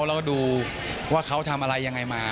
แล้วก็ดูว่าเขาทำอะไรยังไงมา